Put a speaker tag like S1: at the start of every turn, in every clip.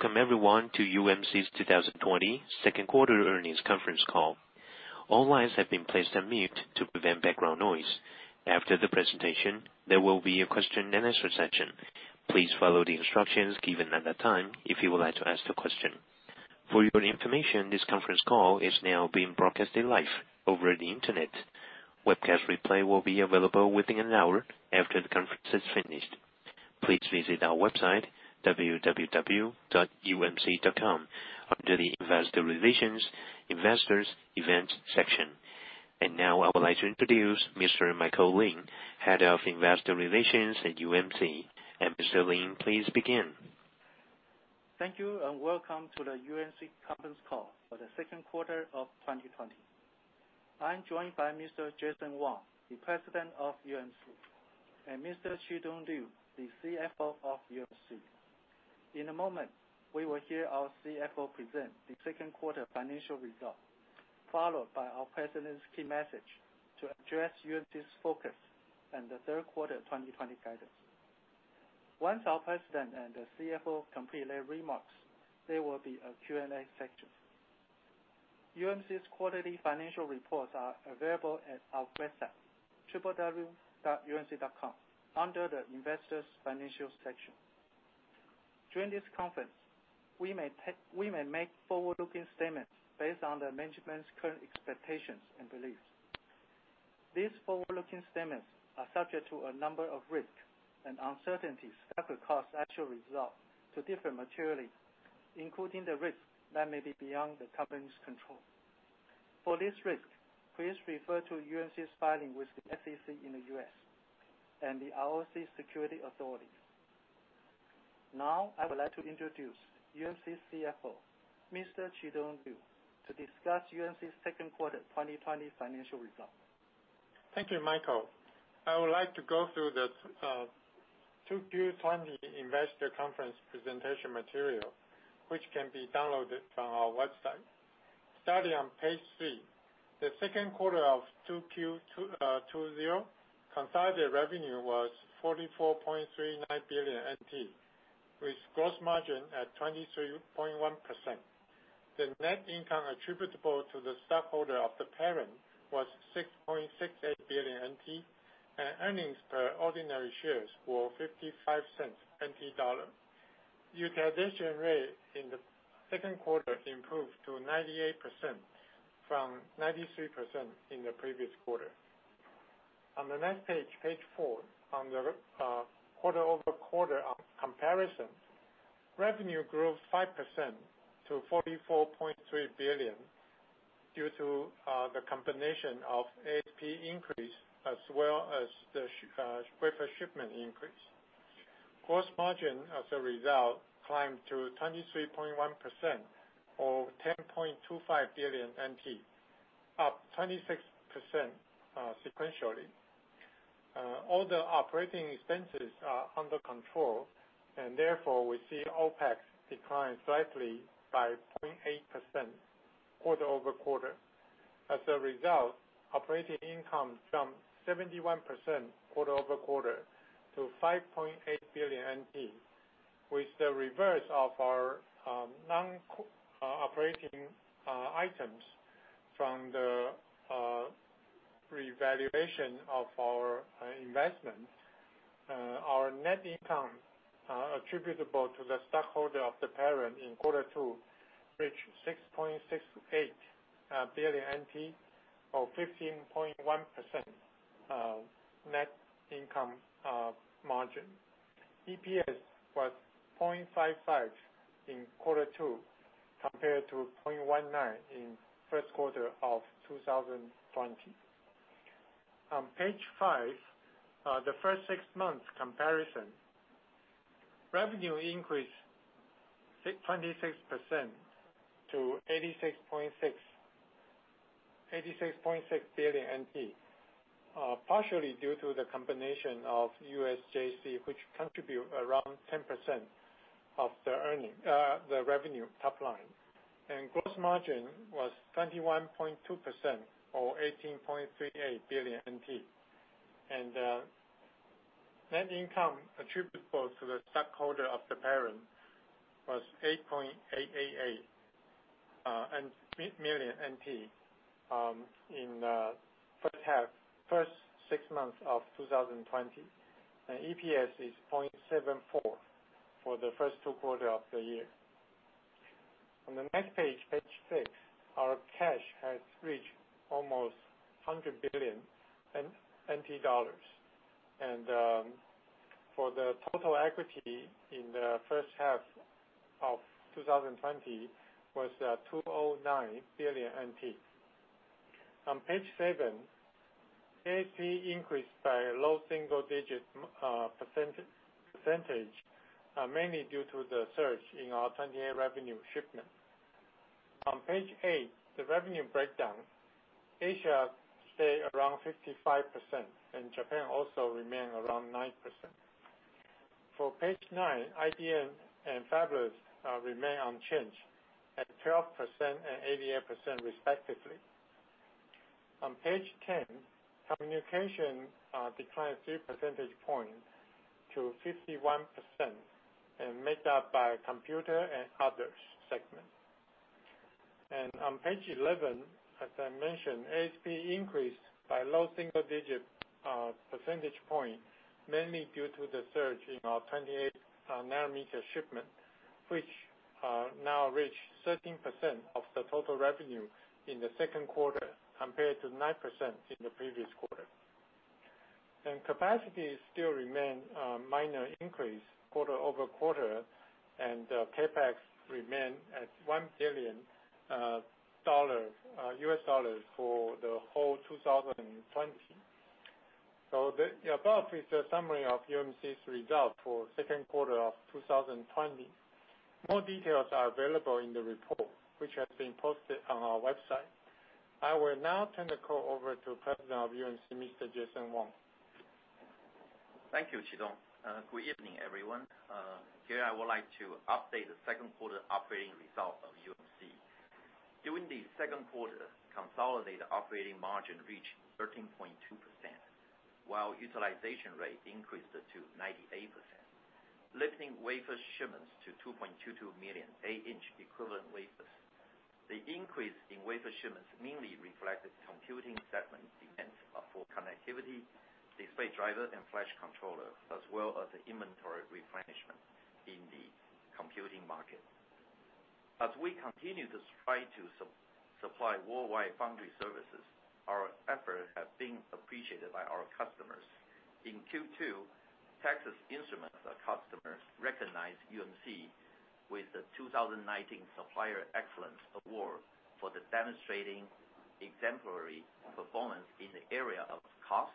S1: Welcome everyone to UMC's 2020 Second Quarter Earnings Conference Call. All lines have been placed on mute to prevent background noise. After the presentation, there will be a question-and-answer session. Please follow the instructions given at that time if you would like to ask a question. For your information, this conference call is now being broadcast live over the Internet. Webcast replay will be available within an hour after the conference is finished. Please visit our website, www.umc.com, under the Investor Relations, Investors, Events section. And now I would like to introduce Mr. Michael Lin, Head of Investor Relations at UMC. And Mr. Lin, please begin.
S2: Thank you and welcome to the UMC Conference Call for the Second Quarter of 2020. I'm joined by Mr. Jason Wang, the President of UMC, and Mr. Chitung Liu, the CFO of UMC. In a moment, we will hear our CFO present the Second Quarter financial results, followed by our President's key message to address UMC's focus and the Third Quarter 2020 guidance. Once our President and the CFO complete their remarks, there will be a Q&A section. UMC's quarterly financial reports are available at our website, www.umc.com, under the Investors' Financial section. During this conference, we may make forward-looking statements based on the management's current expectations and beliefs. These forward-looking statements are subject to a number of risks and uncertainties that could cause actual results to differ materially, including the risks that may be beyond the company's control. For these risks, please refer to UMC's filing with the SEC in the US and the ROC Securities Authority. Now, I would like to introduce UMC's CFO, Mr. Chitung Liu, to discuss UMC's Second Quarter 2020 financial results.
S3: Thank you, Michael. I would like to go through the 2Q20 Investor Conference presentation material, which can be downloaded from our website. Starting on page three, the Second Quarter of 2Q20 consolidated revenue was 44.39 billion NT, with gross margin at 23.1%. The net income attributable to the stockholder of the parent was 6.68 billion NT, and earnings per ordinary shares were 0.55. Utilization rate in the second quarter improved to 98% from 93% in the previous quarter. On the next page, page four, on the quarter-over-quarter comparison, revenue grew 5% to 44.3 billion due to the combination of ASP increase as well as the wafer shipment increase. Gross margin as a result climbed to 23.1% or TWD 10.25 billion, up 26% sequentially. All the operating expenses are under control, and therefore we see OpEx decline slightly by 0.8% quarter over quarter. As a result, operating income jumped 71% quarter over quarter to 5.8 billion NT, with the reverse of our non-operating items from the revaluation of our investment. Our net income attributable to the stockholder of the parent in quarter two reached 6.68 billion NT, or 15.1% net income margin. EPS was 0.55 in quarter two compared to 0.19 in first quarter of 2020. On page five, the first six months comparison, revenue increased 26% to 86.6 billion NT, partially due to the combination of USJC, which contributed around 10% of the revenue top line. And gross margin was 21.2% or 18.38 billion NT. And net income attributable to the stockholder of the parent was 8.88 million NT in the first six months of 2020. And EPS is 0.74 for the first two quarters of the year. On the next page, page six, our cash has reached almost 100 billion NT dollars. And for the total equity in the first half of 2020 was 209 billion NT. On page seven, ASP increased by a low single-digit percentage, mainly due to the surge in our 28-nanometer revenue shipment. On page eight, the revenue breakdown, Asia stayed around 55%, and Japan also remained around 9%. For page nine, IDM and Fabless remain unchanged at 12% and 88% respectively. On page ten, communication declined 3 percentage points to 51% and made up by computer and others segment. And on page 11, as I mentioned, ASP increased by low single-digit percentage points, mainly due to the surge in our 28nm shipment, which now reached 13% of the total revenue in the second quarter compared to 9% in the previous quarter. Capacity still remained a minor increase quarter over quarter, and CapEx remained at $1 billion for the whole 2020. The above is a summary of UMC's results for the second quarter of 2020. More details are available in the report, which has been posted on our website. I will now turn the call over to President of UMC, Mr. Jason Wang.
S1: Thank you, Chitung. Good evening, everyone. Here I would like to update the second quarter operating result of UMC. During the second quarter, consolidated operating margin reached 13.2%, while utilization rate increased to 98%, lifting wafer shipments to 2.22 million 8-inch equivalent wafers. The increase in wafer shipments mainly reflected computing segment demands for connectivity, display driver, and flash controller, as well as the inventory replenishment in the computing market. As we continue to strive to supply worldwide foundry services, our efforts have been appreciated by our customers. In Q2, Texas Instruments customers recognized UMC with the 2019 Supplier Excellence Award for demonstrating exemplary performance in the area of cost,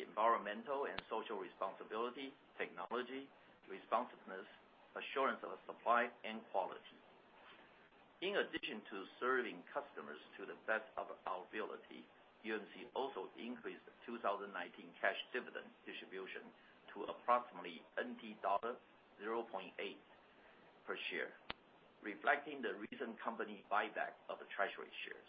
S1: environmental and social responsibility, technology, responsiveness, assurance of supply, and quality. In addition to serving customers to the best of our ability, UMC also increased the 2019 cash dividend distribution to approximately NT dollar 0.8 per share, reflecting the recent company buyback of the treasury shares.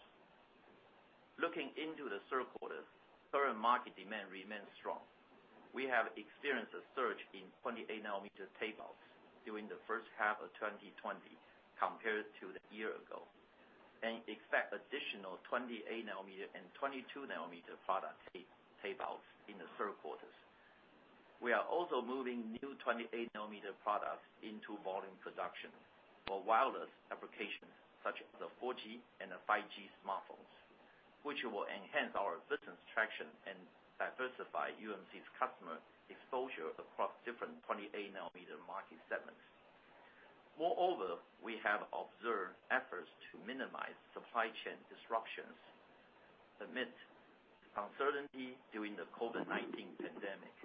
S1: Looking into the third quarter, current market demand remains strong. We have experienced a surge in 28nm tape outs during the first half of 2020 compared to the year ago, and expect additional 28nm and 22nm product tape outs in the third quarter. We are also moving new 28nm products into volume production for wireless applications such as the 4G and the 5G smartphones, which will enhance our business traction and diversify UMC's customer exposure across different 28nm market segments. Moreover, we have observed efforts to minimize supply chain disruptions, amid uncertainty during the COVID-19 pandemic.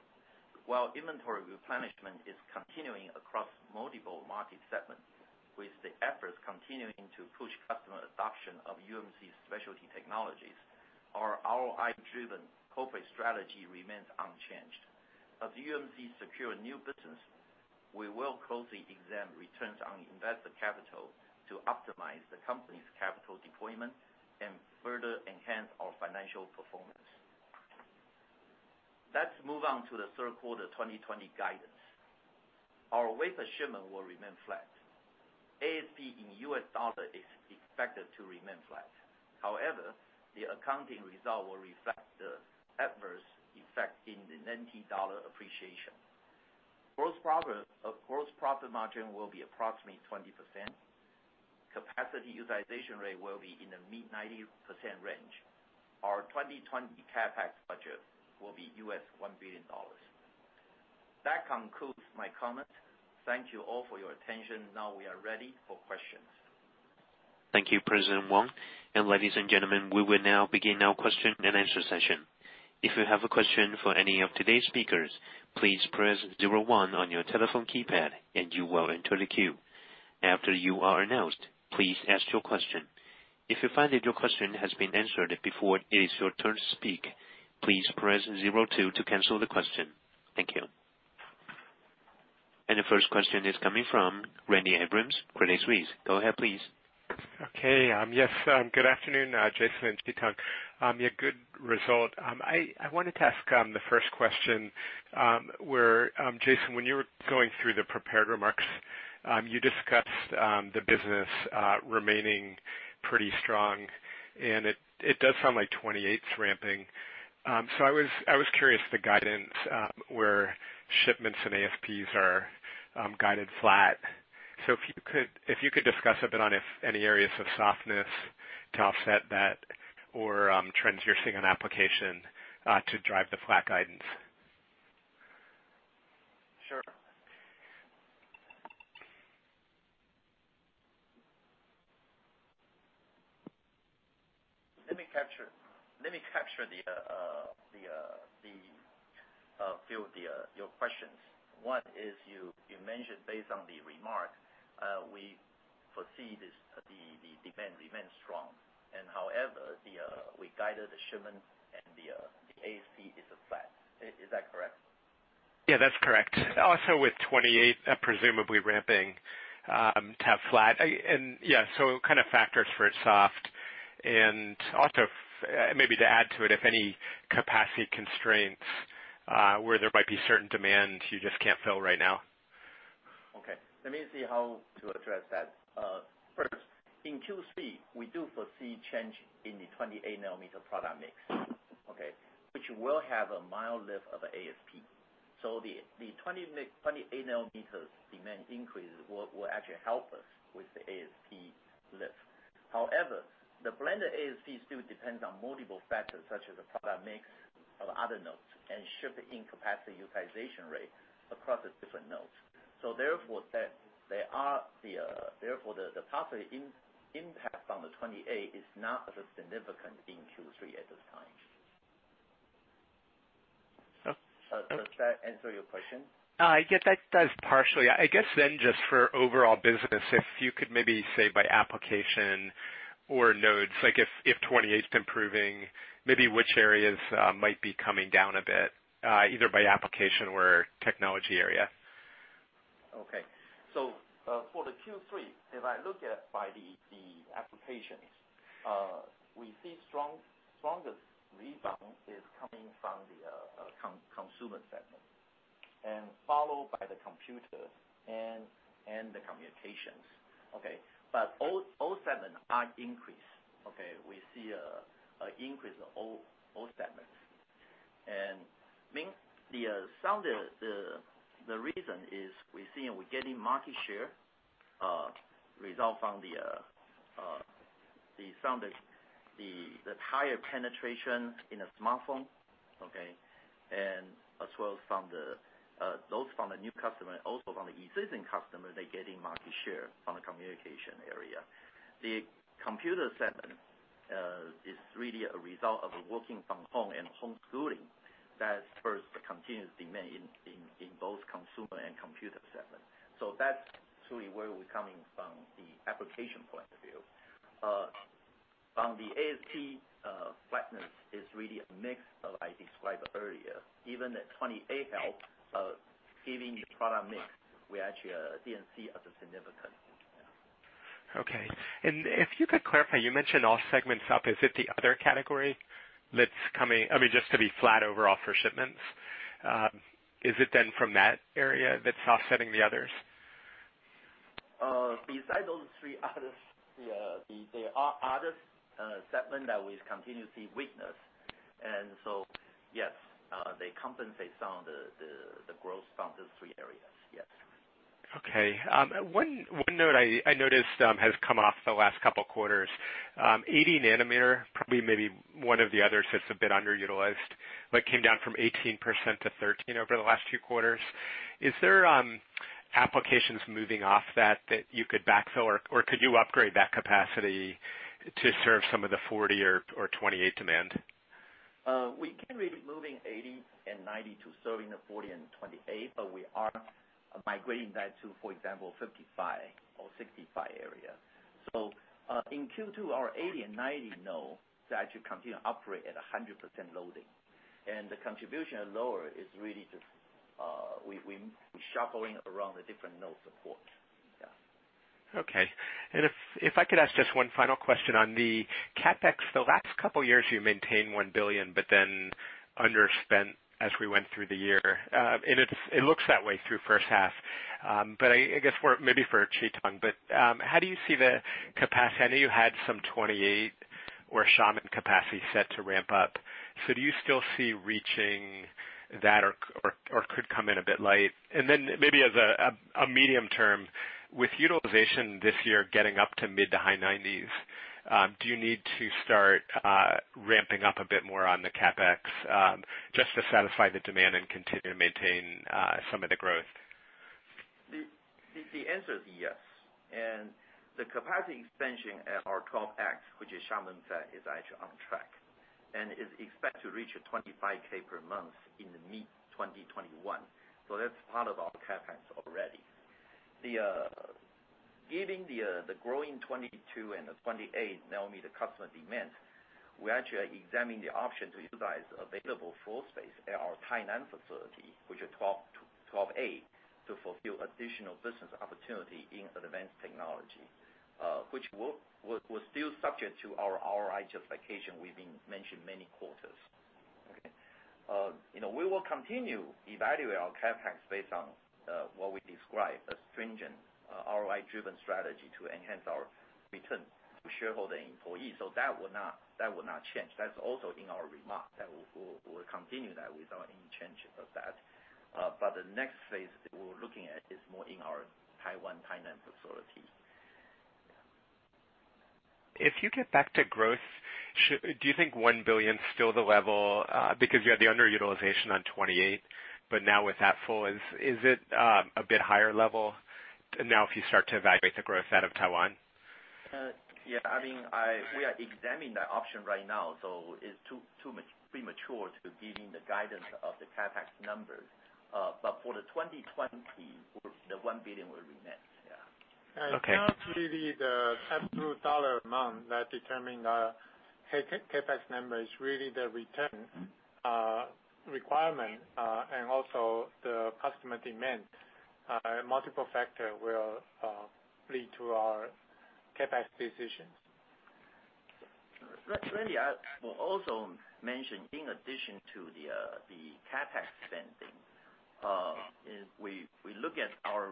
S1: While inventory replenishment is continuing across multiple market segments, with the efforts continuing to push customer adoption of UMC's specialty technologies, our ROI-driven corporate strategy remains unchanged. As UMC secures new business, we will closely examine returns on investor capital to optimize the company's capital deployment and further enhance our financial performance. Let's move on to the third quarter 2020 guidance. Our wafer shipment will remain flat. ASP in US dollars is expected to remain flat. However, the accounting result will reflect the adverse effect in the NT dollar appreciation. Gross profit margin will be approximately 20%. Capacity utilization rate will be in the mid-90% range. Our 2020 CapEx budget will be $1 billion. That concludes my comments. Thank you all for your attention. Now we are ready for questions.
S4: Thank you, President Wang. Ladies and gentlemen, we will now begin our question and answer session. If you have a question for any of today's speakers, please press 01 on your telephone keypad, and you will enter the queue. After you are announced, please ask your question. If you find that your question has been answered before it is your turn to speak, please press 02 to cancel the question. Thank you. The first question is coming from Randy Abrams, Credit Suisse. Go ahead, please.
S5: Okay. Yes. Good afternoon, Jason and Chi-Tung. Yeah, good result. I wanted to ask the first question where, Jason, when you were going through the prepared remarks, you discussed the business remaining pretty strong, and it does sound like 28's ramping. So I was curious the guidance where shipments and ASPs are guided flat. So if you could discuss a bit on any areas of softness to offset that or trends you're seeing on application to drive the flat guidance.
S2: Sure.
S1: Let me capture the feel of your questions. One is you mentioned based on the remark, we foresee the demand remains strong. And however, we guided the shipment, and the ASP is flat. Is that correct?
S5: Yeah, that's correct. Also with 28, presumably ramping to have flat. And yeah, so kind of factors for it's soft. And also maybe to add to it, if any capacity constraints where there might be certain demand you just can't fill right now.
S1: Okay. Let me see how to address that. First, in Q3, we do foresee change in the 28nm product mix, okay, which will have a mild lift of the ASP. So the 28nm demand increase will actually help us with the ASP lift. However, the blended ASP still depends on multiple factors such as the product mix of other nodes and ship in capacity utilization rate across the different nodes. So therefore, the possible impact on the 28 is not as significant in Q3 at this time. Does that answer your question?
S5: Yeah, that does partially. I guess then just for overall business, if you could maybe say by application or nodes, like if 28's improving, maybe which areas might be coming down a bit, either by application or technology area.
S1: Okay. So for the Q3, if I look at by the applications, we see stronger rebound is coming from the consumer segment, and followed by the computers and the communications. Okay. But all segments are increased. Okay. We see an increase in all segments. And mainly the reason is we're seeing, we're getting market share result from the higher penetration in the smartphone, okay, and as well as from the new customers, also from the existing customers, they're getting market share from the communication area. The computer segment is really a result of working from home and home schooling. That's, first, the continuous demand in both consumer and computer segment. So that's truly where we're coming from the application point of view. On the ASP, flatness is really a mix of I described earlier. Even the 28 help giving the product mix, we actually didn't see as significant.
S5: Okay. And if you could clarify, you mentioned all segments up. Is it the other category that's coming, I mean, just to be flat overall for shipments? Is it then from that area that's offsetting the others?
S1: Besides those three others, there are other segments that we continuously witness, and so yes, they compensate on the growth from those three areas. Yes.
S5: Okay. One note I noticed has come off the last couple of quarters. 80nm, probably maybe one of the others that's a bit underutilized, but came down from 18%-13% over the last two quarters. Is there applications moving off that you could backfill, or could you upgrade that capacity to serve some of the 40 or 28 demand?
S1: We can be moving 80 and 90 to serving the 40 and 28, but we are migrating that to, for example, 55 or 65 area. So in Q2, our 80 and 90 nodes actually continue to operate at 100% loading. And the contribution of lower is really just we shuffling around the different node support. Yeah.
S5: Okay. And if I could ask just one final question on the CapEx, the last couple of years you maintained $1 billion, but then underspent as we went through the year. And it looks that way through first half. But I guess maybe for Chi-Tung, but how do you see the capacity? I know you had some 28-nm capacity set to ramp up. So do you still see reaching that or could come in a bit late? And then maybe as a medium term, with utilization this year getting up to mid- to high 90s, do you need to start ramping up a bit more on the CapEx just to satisfy the demand and continue to maintain some of the growth?
S1: The answer is yes, and the capacity expansion at our 12X, which is Xiamen fab, is actually on track and is expected to reach 25K per month in mid-2021. So that's part of our CapEx already. Given the growing 22 and 28nm customer demand, we actually examined the option to utilize available floor space at our Tainan facility, which is 12A, to fulfill additional business opportunity in advanced technology, which will still subject to our ROI justification we've mentioned many quarters. Okay. We will continue to evaluate our CapEx based on what we described as stringent ROI-driven strategy to enhance our return to shareholder and employees. So that will not change. That's also in our remarks that we will continue that without any change of that. But the next phase we're looking at is more in our Tainan facility.
S5: If you get back to growth, do you think 1 billion is still the level? Because you had the underutilization on 28, but now with that full, is it a bit higher level now if you start to evaluate the growth out of Taiwan?
S1: Yeah. I mean, we are examining the option right now, so it's too premature to give you the guidance of the CapEx numbers. But for the 2020, the 1 billion will remain. Yeah.
S3: It's not really the absolute dollar amount that determines CapEx number. It's really the return requirement and also the customer demand. Multiple factors will lead to our CapEx decisions.
S1: Randy also mentioned in addition to the CapEx spending, we look at our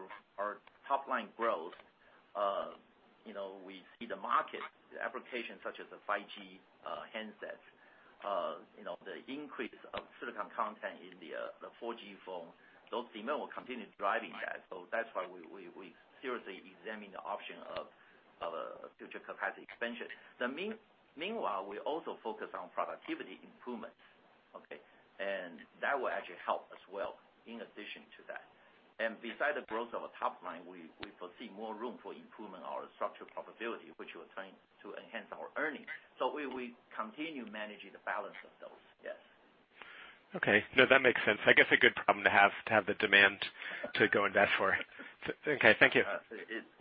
S1: top-line growth. We see the market applications such as the 5G handsets, the increase of silicon content in the 4G phone. Those demands will continue driving that. So that's why we seriously examine the option of future capacity expansion. Meanwhile, we also focus on productivity improvements. Okay. And that will actually help as well in addition to that. And besides the growth of our top line, we foresee more room for improvement in our structural profitability, which will turn to enhance our earnings. So we continue managing the balance of those. Yes.
S5: Okay. No, that makes sense. I guess a good problem to have to have the demand to go invest for. Okay. Thank you.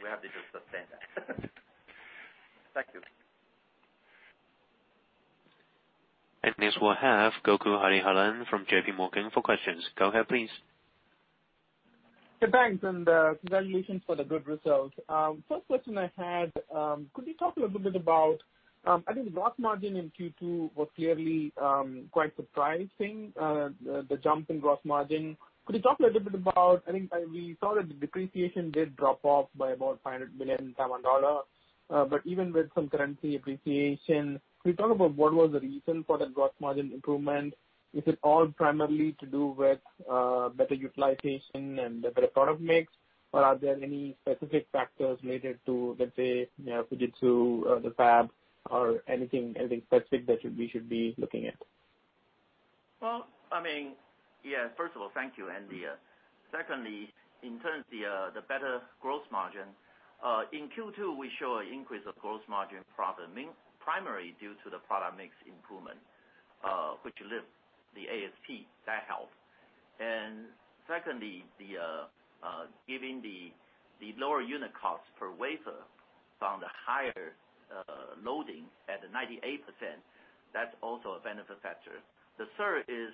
S1: We have to just suspend that. Thank you.
S4: Next we'll have Gokul Hariharan from J.P. Morgan for questions. Go ahead, please.
S6: Hey, thanks. And congratulations for the good results. First question I had, could you talk a little bit about, I think the gross margin in Q2 was clearly quite surprising, the jump in gross margin. Could you talk a little bit about, I think we saw that the depreciation did drop off by about 500 million Taiwan dollar. But even with some currency appreciation, could you talk about what was the reason for the gross margin improvement? Is it all primarily to do with better utilization and better product mix, or are there any specific factors related to, let's say, Fujitsu, the fab, or anything specific that we should be looking at?
S1: I mean, yeah, first of all, thank you, Andy. Secondly, in terms of the better gross margin in Q2, we saw an increase in gross margin primarily due to the product mix improvement, which lifted the ASP. That helped. And secondly, given the lower unit cost per wafer from the higher loading at 98%, that's also a benefit factor. The third is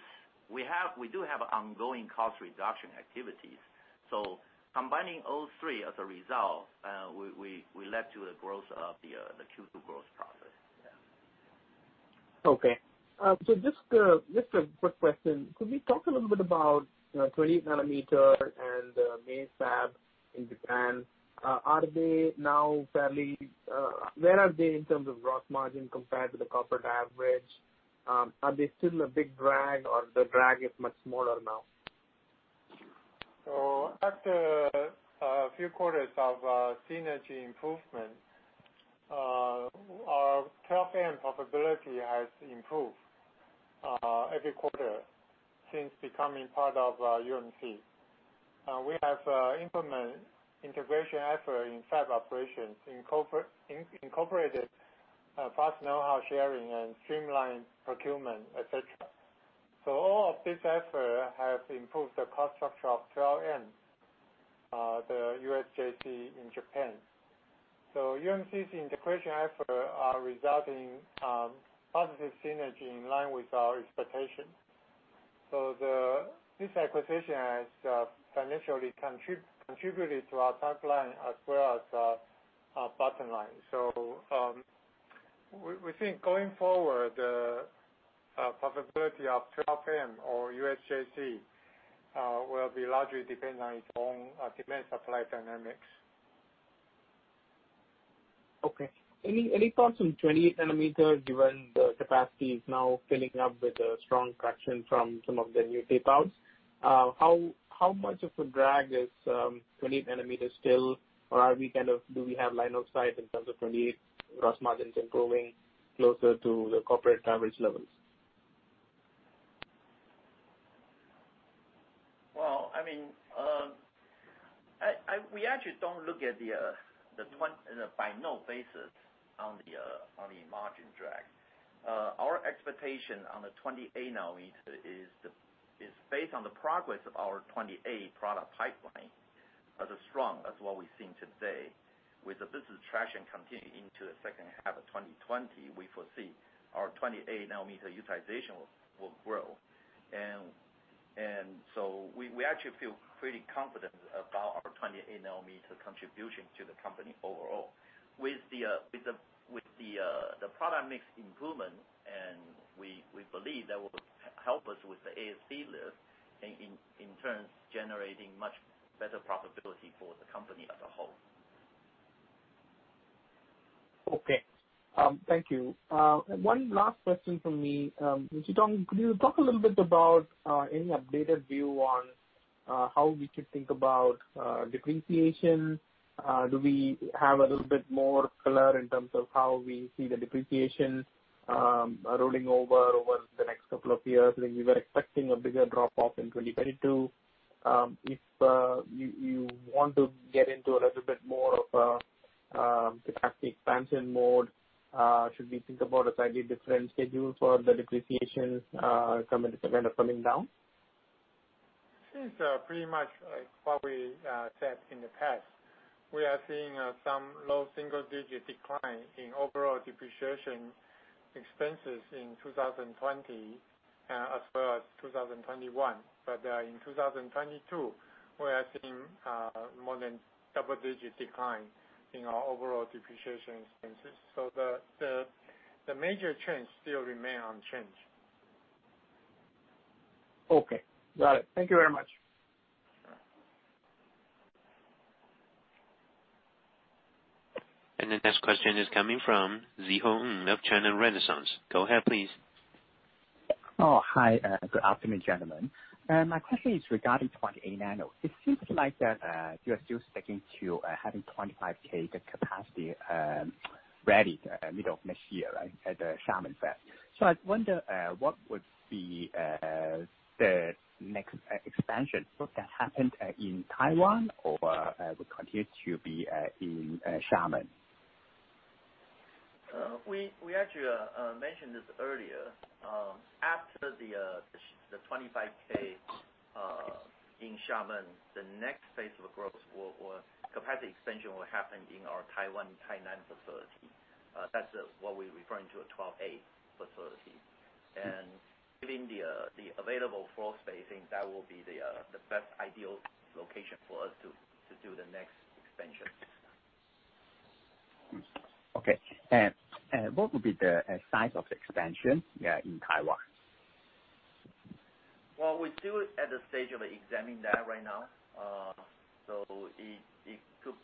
S1: we do have ongoing cost reduction activities. So combining all three as a result, that led to the gross margin growth in Q2. Yeah.
S6: Okay, so just a quick question. Could we talk a little bit about 28-nanometer and the main fab in Japan? Are they now fairly well? Where are they in terms of gross margin compared to the corporate average? Are they still a big drag, or the drag is much smaller now?
S3: So after a few quarters of synergy improvement, our profit and profitability has improved every quarter since becoming part of UMC. We have implemented integration efforts in fab operations, incorporated fast know-how sharing and streamlined procurement, etc. So all of this effort has improved the cost structure of 12M, the USJC in Japan. So UMC's integration efforts are resulting in positive synergy in line with our expectations. So this acquisition has financially contributed to our pipeline as well as our bottom line. So we think going forward, the profitability of 12M or USJC will be largely dependent on its own demand supply dynamics.
S6: Okay. Any thoughts on 28nm given the capacity is now filling up with a strong traction from some of the new tape-outs? How much of a drag is 28nm still, or are we kind of, do we have line of sight in terms of 28 gross margins improving closer to the corporate average levels?
S1: I mean, we actually don't look at the by-node basis on the margin drag. Our expectation on the 28nm is based on the progress of our 28 product pipeline as strong as what we've seen today. With the business traction continuing into the second half of 2020, we foresee our 28nm utilization will grow, and so we actually feel pretty confident about our 28nm contribution to the company overall. With the product mix improvement, and we believe that will help us with the ASP lift and in turn generating much better profitability for the company as a whole.
S6: Okay. Thank you. One last question from me. Chi-Tung, could you talk a little bit about any updated view on how we should think about depreciation? Do we have a little bit more color in terms of how we see the depreciation rolling over the next couple of years? I think we were expecting a bigger drop-off in 2022. If you want to get into a little bit more of a capacity expansion mode, should we think about a slightly different schedule for the depreciation kind of coming down?
S3: I think pretty much like what we said in the past. We are seeing some low single-digit decline in overall depreciation expenses in 2020 as well as 2021. But in 2022, we are seeing more than double-digit decline in our overall depreciation expenses. So the major trends still remain unchanged.
S6: Okay. Got it. Thank you very much.
S4: And the next question is coming from Szeho Ng of China Renaissance. Go ahead, please.
S7: Oh, hi. Good afternoon, gentlemen. My question is regarding 28 nano. It seems like you are still sticking to having 25K capacity ready middle of next year at the Xiamen Fab. So I wonder what would be the next expansion? Would that happen in Taiwan or would continue to be in Xiamen?
S1: We actually mentioned this earlier. After the 25K in Xiamen, the next phase of growth or capacity expansion will happen in our Tainan, Taiwan facility. That's what we're referring to, a 12A facility, and given the available floor space, that will be the best ideal location for us to do the next expansion.
S7: Okay. And what would be the size of the expansion in Taiwan?
S1: We're still at the stage of examining that right now. So it could,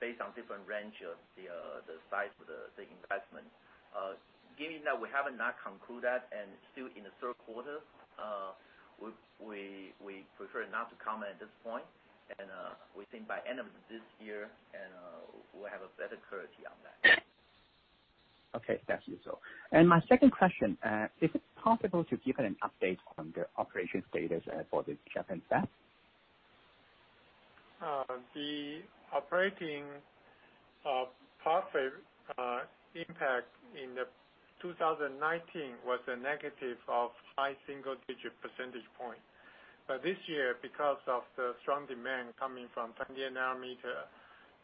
S1: based on different ranges, the size of the investment. Given that we have not concluded that and still in the third quarter, we prefer not to comment at this point. We think by end of this year, we'll have a better clarity on that.
S7: Okay. Thank you, sir. And my second question, is it possible to give an update on the operation status for the Japan Fab?
S3: The operating profit impact in 2019 was a negative of high single-digit percentage point. But this year, because of the strong demand coming from 28nm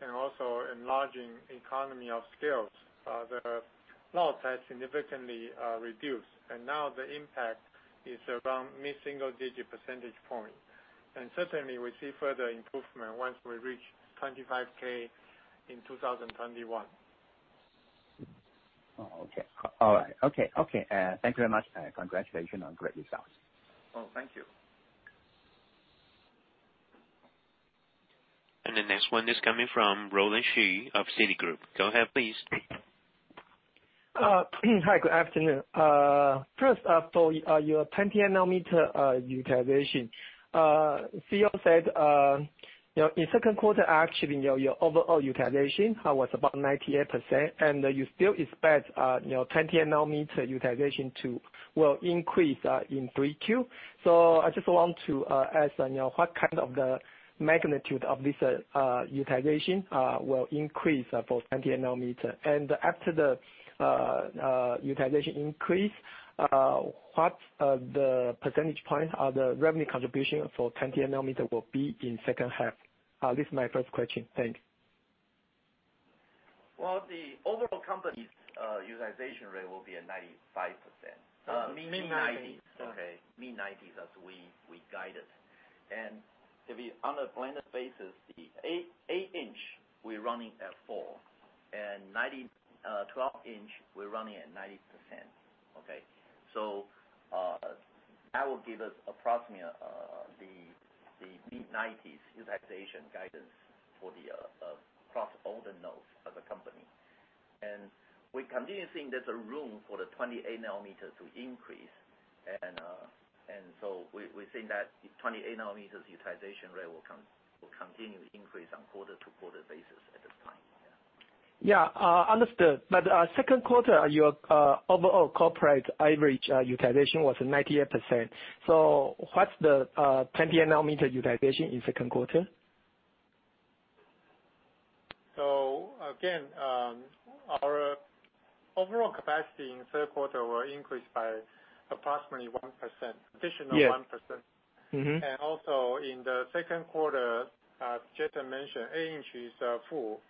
S3: and also enlarging economy of scales, the loss has significantly reduced. And now the impact is around mid-single-digit percentage point. And certainly, we see further improvement once we reach 25K in 2021.
S7: Okay. All right. Thank you very much. Congratulations on great results.
S1: Oh, thank you.
S4: The next one is coming from Roland Shu of Citigroup. Go ahead, please. Hi. Good afternoon. First of all, your 20nm utilization. CEO said in second quarter, actually, your overall utilization was about 98%. And you still expect 20nm utilization will increase in 3Q. So I just want to ask what kind of the magnitude of this utilization will increase for 20nm? And after the utilization increase, what the percentage point of the revenue contribution for 20nm will be in second half? This is my first question. Thanks.
S1: The overall company's utilization rate will be at 95%.
S3: Mid-90s.
S1: Okay. Mid-90s as we guide it. On a blended basis, the 8-inch, we're running at 84%. And 12-inch, we're running at 90%. Okay. That will give us approximately the mid-90s utilization guidance for the quarter overall as a company. We continue seeing there's room for the 28nm to increase. We think that 28nm's utilization rate will continue to increase on a quarter-to-quarter basis at this time. Yeah. Understood. But second quarter, your overall corporate average utilization was 98%. So what's the 20nm utilization in second quarter?
S3: So, again, our overall capacity in third quarter will increase by approximately 1%. Additional 1%. And also in the second quarter, as Jason mentioned, 8-inch is full,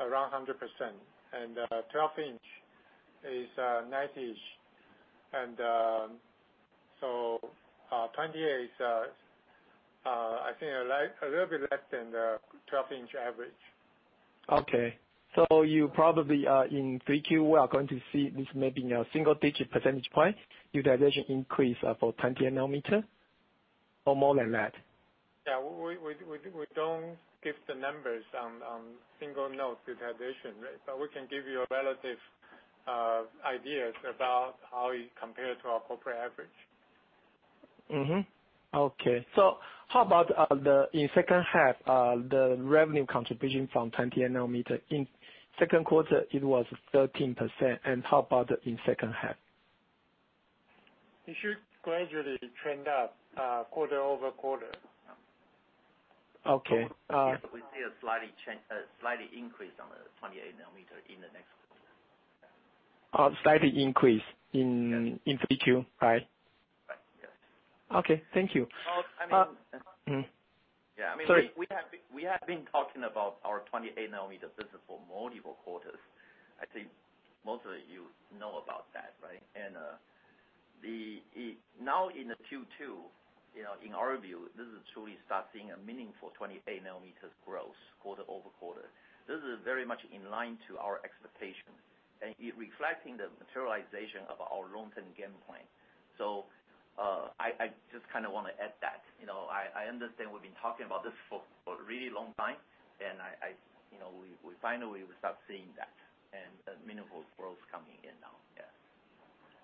S3: around 100%. And 12-inch is 90-ish%. And so 28 is, I think, a little bit less than the 12-inch average. Okay. So you probably in 3Q, we are going to see this may be a single-digit percentage point utilization increase for 20-nanometer or more than that? Yeah. We don't give the numbers on single-node utilization, but we can give you a relative idea about how it compares to our corporate average. Okay. So how about in second half, the revenue contribution from 28nm in second quarter? It was 13%. And how about in second half? It should gradually trend up quarter over quarter. Okay.
S1: Yes, we see a slight increase on the 28nm in the next quarter. Slight increase in 3Q, right? Right. Yes. Okay. Thank you. Well, I mean. Sorry. Yeah. I mean, we have been talking about our 28nm. This is for multiple quarters. I think most of you know about that, right, and now in Q2, in our view, this is truly starting a meaningful 28nm growth quarter over quarter. This is very much in line to our expectation, and it reflects the materialization of our long-term game plan, so I just kind of want to add that. I understand we've been talking about this for a really long time, and we finally will start seeing that and meaningful growth coming in now. Yeah.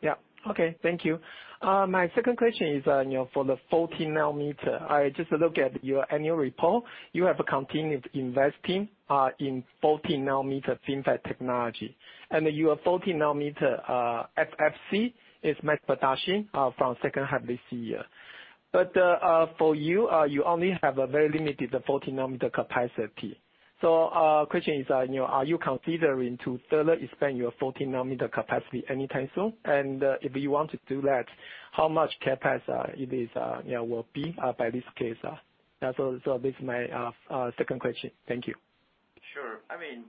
S1: Yeah. Okay. Thank you. My second question is for the 14nm. I just looked at your annual report. You have continued investing in 14nm FinFET technology. And your 14nm FinFET is mass production from second half this year. But for you, you only have a very limited 14nm capacity. So question is, are you considering to further expand your 14nm capacity anytime soon? And if you want to do that, how much capacity will it be by this case? So this is my second question. Thank you. Sure. I mean,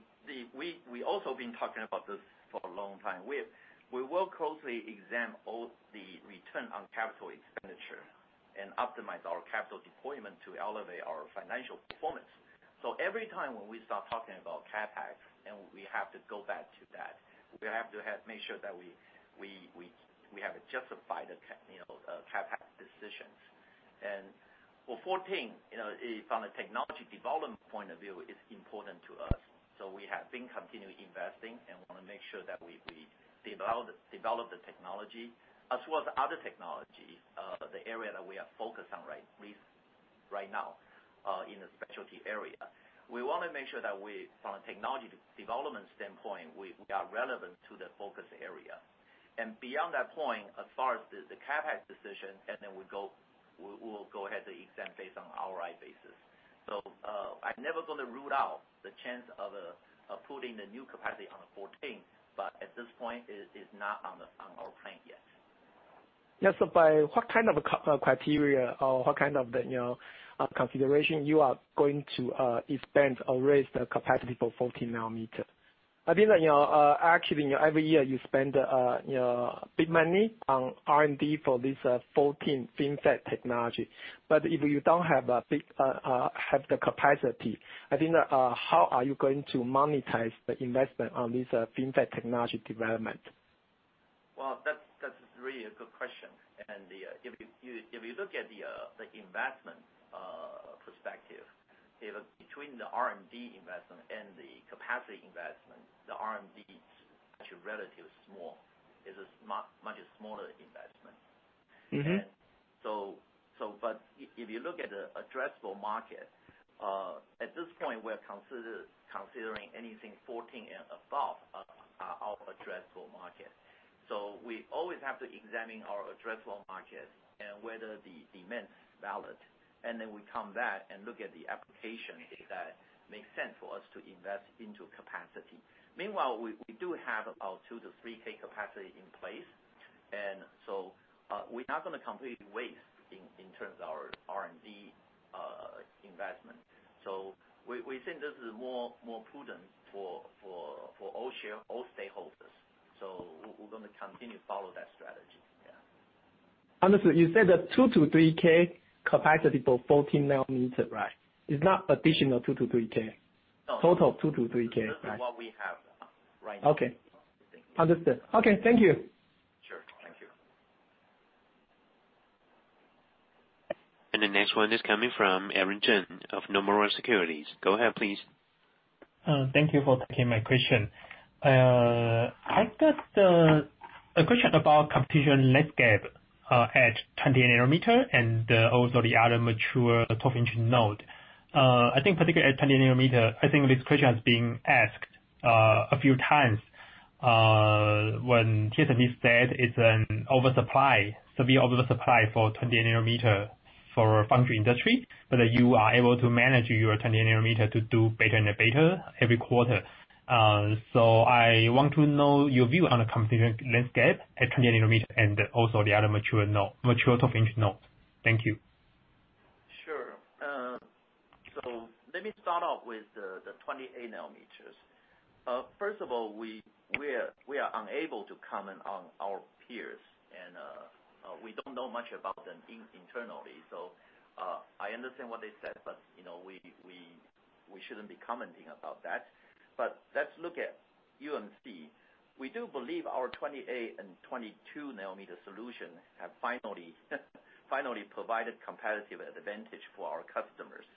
S1: we also have been talking about this for a long time. We will closely examine all the return on capital expenditure and optimize our capital deployment to elevate our financial performance. So every time when we start talking about CapEx, and we have to go back to that, we have to make sure that we have justified the CapEx decisions. And for 14, from a technology development point of view, it's important to us. So we have been continuing investing and want to make sure that we develop the technology as well as other technology, the area that we are focused on right now in the specialty area. We want to make sure that from a technology development standpoint, we are relevant to the focus area. And beyond that point, as far as the CapEx decision, and then we'll go ahead to examine based on our ROI basis. So I'm never going to rule out the chance of putting the new capacity on the 14, but at this point, it's not on our plan yet. Yeah. So by what kind of criteria or what kind of consideration you are going to expand or raise the capacity for 14nm? I think that actually, every year, you spend big money on R&D for this 14 FinFET technology. But if you don't have the capacity, I think that how are you going to monetize the investment on this FinFET technology development? That's really a good question. And if you look at the investment perspective, between the R&D investment and the capacity investment, the R&D is actually relatively small. It's a much smaller investment. And so if you look at the addressable market, at this point, we're considering anything 14 and above our addressable market. So we always have to examine our addressable market and whether the demand is valid. And then we come back and look at the application that makes sense for us to invest into capacity. Meanwhile, we do have our 2 to 3K capacity in place. And so we're not going to completely waste in terms of our R&D investment. So we think this is more prudent for all stakeholders. So we're going to continue to follow that strategy. Yeah. Understood. You said the 2 to 3K capacity for 14nm, right? It's not additional 2 to 3K? No. Total 2-3K, right? This is what we have right now. Okay. Understood. Okay. Thank you. Sure. Thank you.
S4: The next one is coming from Aaron Jeng of Nomura Securities. Go ahead, please.
S8: Thank you for taking my question. I got a question about competition landscape at 28nm and also the other mature 12-inch node. I think particularly at 28nm, I think this question has been asked a few times when Jason said it's an oversupply, severe oversupply for 28nm for the fab industry, but you are able to manage your 28nm to do better and better every quarter. So I want to know your view on the competition landscape at 28nm and also the other mature 12-inch nodes. Thank you.
S1: Sure. So let me start off with the 28nms. First of all, we are unable to comment on our peers, and we don't know much about them internally. So I understand what they said, but we shouldn't be commenting about that. But let's look at UMC. We do believe our 28 and 22nm solution have finally provided competitive advantage for our customers.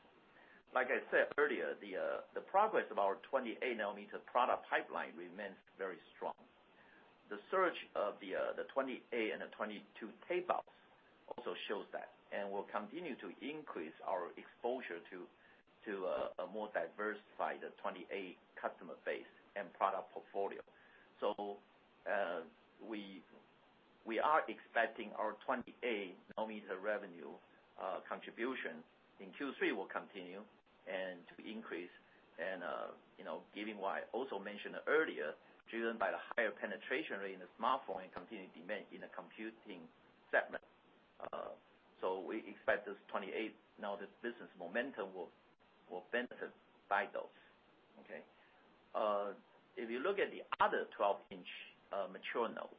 S1: Like I said earlier, the progress of our 28nm product pipeline remains very strong. The surge of the 28 and the 22 tape-outs also shows that. And we'll continue to increase our exposure to a more diversified 28 customer base and product portfolio. So we are expecting our 28nm revenue contribution in Q3 will continue to increase. And given what I also mentioned earlier, driven by the higher penetration rate in the smartphone and continued demand in the computing segment. So we expect this 28nm business momentum will benefit by those. Okay. If you look at the other 12-inch mature nodes,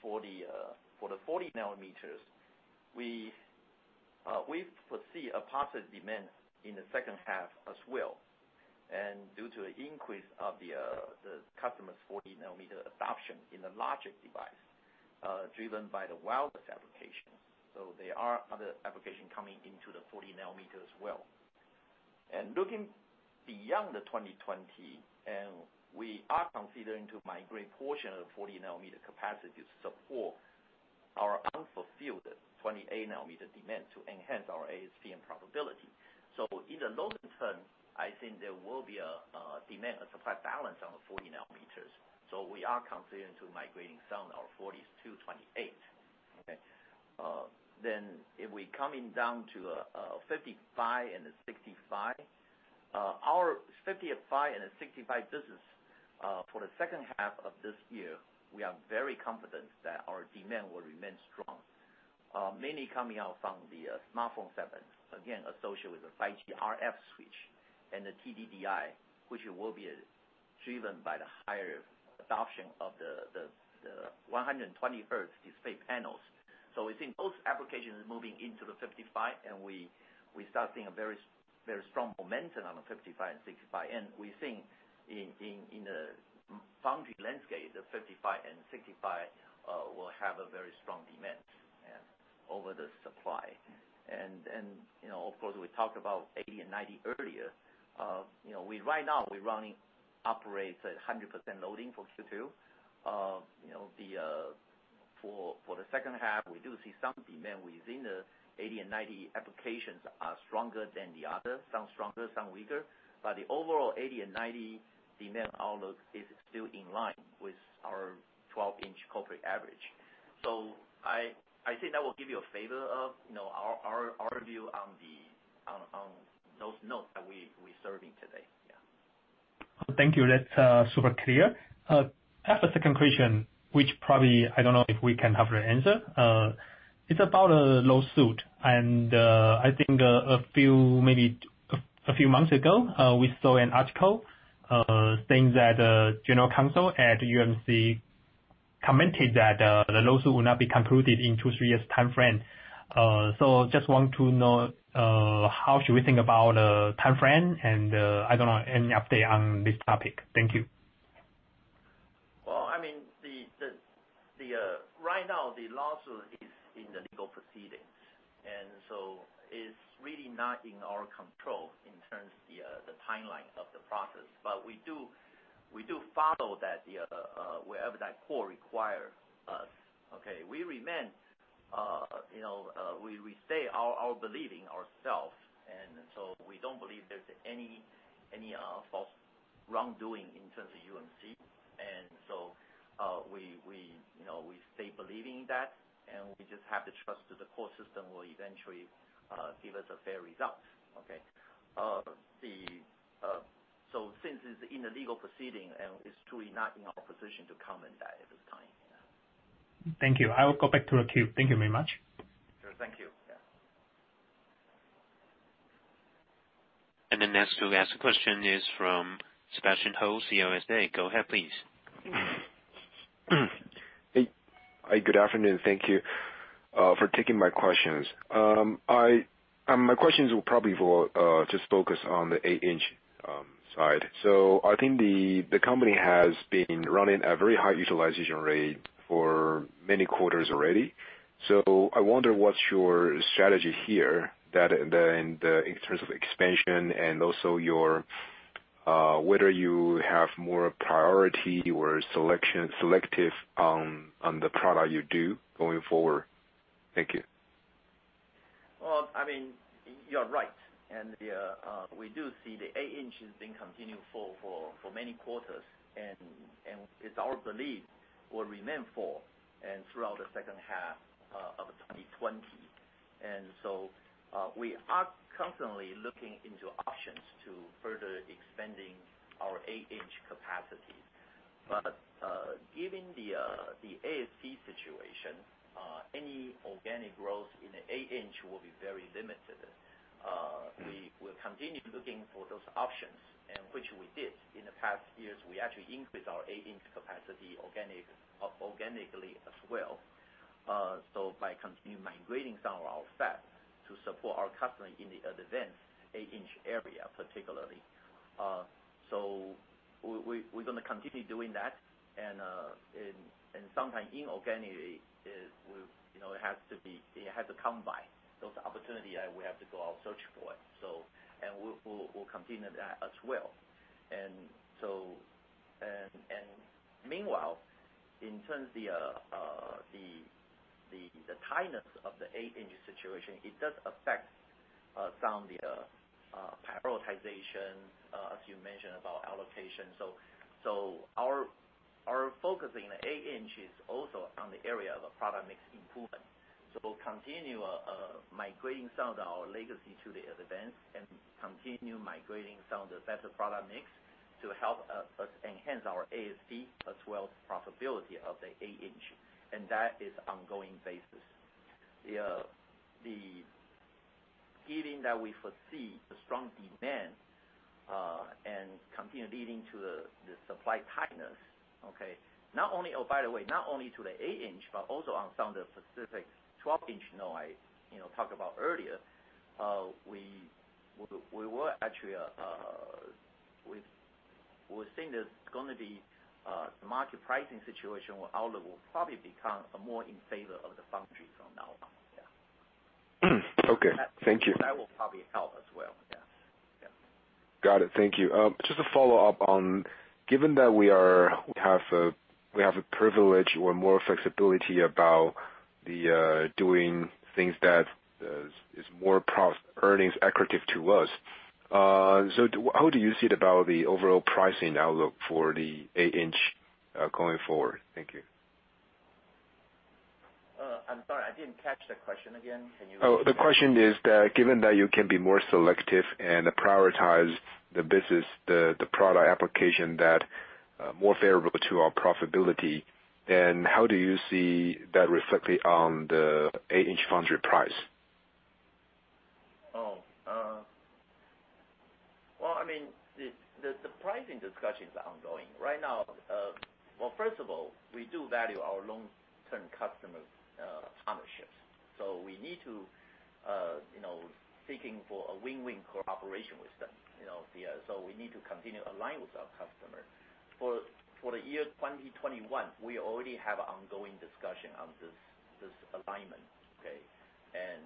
S1: for the 40nms, we foresee a positive demand in the second half as well. And due to the increase of the customers' 40nm adoption in the logic device, driven by the wireless application. So there are other applications coming into the 40nm as well. And looking beyond the 2020, we are considering to migrate portion of the 40nm capacity to support our unfulfilled 28nm demand to enhance our ASP and margin profitability. So in the longer term, I think there will be a demand and supply balance on the 40nms. So we are considering to migrate down our 40s to 28. Okay. Then if we're coming down to 55 and the 65, our 55 and the 65 business for the second half of this year, we are very confident that our demand will remain strong, mainly coming out from the smartphone segment, again, associated with the 5G RF switch and the TDDI, which will be driven by the higher adoption of the 120 Hertz display panels. So we think those applications are moving into the 55, and we start seeing a very strong momentum on the 55 and 65. And we think in the foundry landscape, the 55 and 65 will have a very strong demand over the supply. And of course, we talked about 80 and 90 earlier. Right now, we're operating at 100% loading for Q2. For the second half, we do see some demand within the 80 and 90 applications are stronger than the others, some stronger, some weaker. But the overall 80 and 90 demand outlook is still in line with our 12-inch corporate average. So I think that will give you a flavor of our view on those nodes that we're serving today. Yeah.
S8: Thank you. That's super clear. I have a second question, which probably I don't know if we can have the answer. It's about lawsuit. And I think maybe a few months ago, we saw an article saying that the general counsel at UMC commented that the lawsuit will not be concluded in two-to-three years' timeframe. So just want to know how should we think about the timeframe? And I don't know any update on this topic. Thank you.
S1: I mean, right now, the lawsuit is in the legal proceedings, and so it's really not in our control in terms of the timeline of the process, but we do follow that wherever that court requires us. Okay. We remain. We stay our belief in ourselves, and so we don't believe there's any wrongdoing in terms of UMC, and so we stay believing in that, and we just have to trust that the court system will eventually give us a fair result. Okay. Since it's in the legal proceeding, and it's truly not in our position to comment that at this time. Yeah.
S8: Thank you. I will go back to the Q. Thank you very much.
S1: Sure. Thank you. Yeah.
S4: The next to ask a question is from Sebastian Hou, CLSA. Go ahead, please.
S9: Hi. Good afternoon. Thank you for taking my questions. My questions will probably just focus on the 8-inch side. So I think the company has been running a very high utilization rate for many quarters already. So I wonder what's your strategy here in terms of expansion and also whether you have more priority or selective on the product you do going forward. Thank you.
S1: Well, I mean, you're right. And we do see the 8-inch has been continued for many quarters. And it's our belief will remain for and throughout the second half of 2020. And so we are constantly looking into options to further expand our 8-inch capacity. But given the ASP situation, any organic growth in the 8-inch will be very limited. We will continue looking for those options, which we did in the past years. We actually increased our 8-inch capacity organically as well. So by continuing migrating some of our fab to support our customers in the advanced 8-inch area, particularly. So we're going to continue doing that. And sometimes inorganically, it has to come by those opportunities that we have to go out search for. And we'll continue that as well. Meanwhile, in terms of the tightness of the 8-inch situation, it does affect some of the prioritization, as you mentioned, about allocation. Our focus in the 8-inch is also on the area of product mix improvement. Continue migrating some of our legacy to the advanced and continue migrating some of the better product mix to help us enhance our ASP as well as profitability of the 8-inch. And that is on an ongoing basis. Given that we foresee a strong demand continuing to lead to the supply tightness, okay, not only by the way, not only to the 8-inch, but also on some of the specific 12-inch nodes I talked about earlier, we will actually think the market pricing situation will probably become more in favor of the foundry from now on. Yeah. Okay. Thank you. That will probably help as well. Yeah. Yeah.
S9: Got it. Thank you. Just to follow up on, given that we have a privilege or more flexibility about doing things that is more earnings equitable to us, so how do you see about the overall pricing outlook for the 8-inch going forward? Thank you.
S1: I'm sorry. I didn't catch the question again. Can you repeat that?
S9: Oh, the question is that given that you can be more selective and prioritize the product application that is more favorable to our profitability, then how do you see that reflected on the 8-inch foundry price?
S1: Oh, well, I mean, the pricing discussion is ongoing. Right now, well, first of all, we do value our long-term customer partnerships. So we need to be seeking for a win-win cooperation with them. So we need to continue aligned with our customer. For the year 2021, we already have ongoing discussion on this alignment. Okay, and